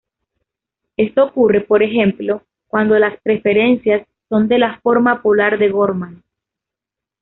Esto ocurre, por ejemplo, cuándo las preferencias son de la forma polar de Gorman.